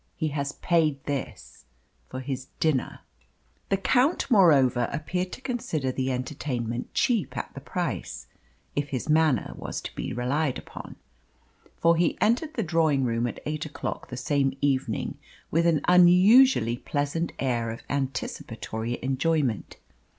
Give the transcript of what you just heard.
He has paid this for his dinner." The Count moreover appeared to consider the entertainment cheap at the price, if his manner was to be relied upon. For he entered the drawing room at eight o'clock the same evening with an unusually pleasant air of anticipatory enjoyment.